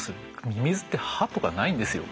ミミズって歯とかないんですよ。